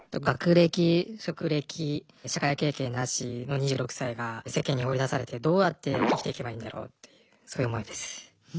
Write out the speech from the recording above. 学歴職歴社会経験なしの２６歳が世間に放り出されてどうやって生きていけばいいんだろうっていうそういう思いです。